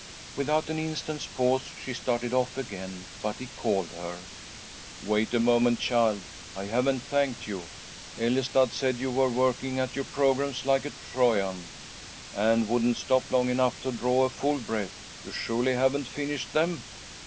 Without an instant's pause she started off again, but he called her. "Wait a moment, child. I haven't thanked you. Ellestad said you were working at your programmes like a Trojan, and wouldn't stop long enough to draw a full breath. You surely haven't finished them."